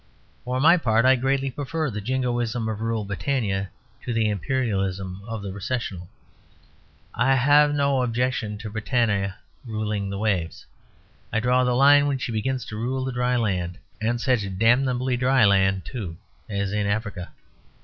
For my part I greatly prefer the Jingoism of Rule Britannia to the Imperialism of The Recessional. I have no objection to Britannia ruling the waves. I draw the line when she begins to rule the dry land and such damnably dry land too as in Africa.